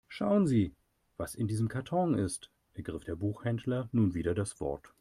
Schauen Sie, was in diesem Karton ist, ergriff der Buchhändler nun wieder das Wort.